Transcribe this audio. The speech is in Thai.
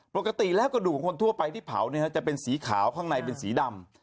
ปกติแล้วกระดูกของคนทั่วไปที่เผาจะเป็นสีขาวข้างในเป็นสีดำ